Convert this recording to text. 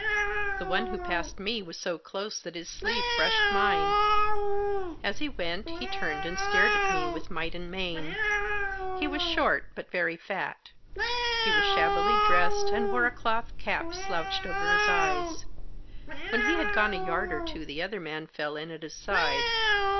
The one who passed me was so close that his sleeve brushed mine ; as he went he turned and stared at me with might and main. He was short, but very fat. He was shabbily dressed, and wore a cloth cap slouched over his eyes. When he had gone a yard or two the other man fell in at his side.